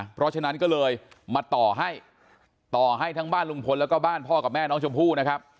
เพราะฉะนั้นก็เลยมาต่อให้ต่อให้ทั้งบ้านลุงพลแล้วก็บ้านพ่อกับแม่น้องชมพู่นะครับ